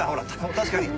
確かに。